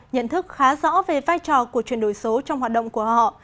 nhận thức khá rõ về vai trò của chuyển đổi số trong hoạt động của họ